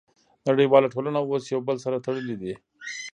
نړیواله ټولنه اوس یو بل سره تړلې ده